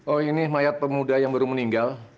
oh ini mayat pemuda yang baru meninggal